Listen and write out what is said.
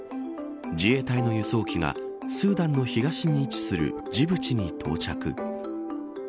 自衛隊の輸送機がスーダンの東に位置するジブチに到着。